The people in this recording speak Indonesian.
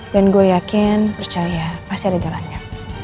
dan saya yakin percaya pasti ada jalannya